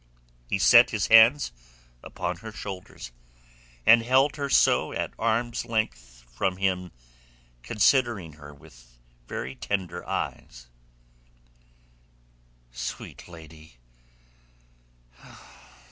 He set his hands upon her shoulders, and held her so at arm's length from him considering her with very tender eyes. "Sweet lady!"